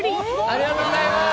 ありがとうございます！